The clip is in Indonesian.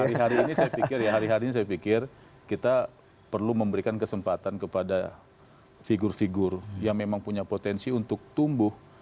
hari hari ini saya pikir ya hari hari ini saya pikir kita perlu memberikan kesempatan kepada figur figur yang memang punya potensi untuk tumbuh